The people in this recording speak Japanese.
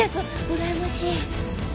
うらやましい。